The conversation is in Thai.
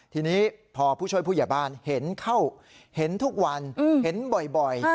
ทีนี้พอผู้ช่วยผู้ใหญ่บ้านเห็นเข้าเห็นทุกวันเห็นบ่อย